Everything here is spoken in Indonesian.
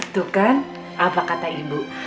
tuh kan apa kata ibu